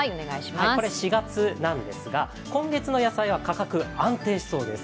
これ４月なんですが今月の野菜は価格安定しそうです。